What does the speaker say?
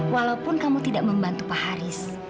walaupun kamu tidak membantu pak haris